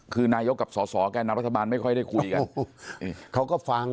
คือนายกกับส่อแกนับรัฐบาลไม่ค่อยได้คุยกัน